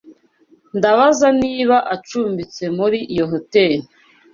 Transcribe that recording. Ndabaza niba acumbitse muri iyo hoteri.